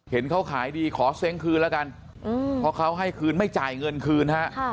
เห็นเขาขายดีขอเซ้งคืนแล้วกันเพราะเขาให้คืนไม่จ่ายเงินคืนฮะ